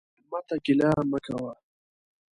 مېلمه ته ګیله مه کوه.